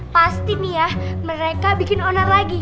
pasti nih ya mereka bikin onar lagi